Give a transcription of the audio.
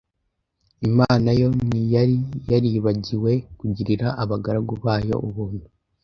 Imana yo ntiyari yaribagiwe kugirira abagaragu bayo ubuntu.